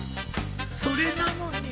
それなのに。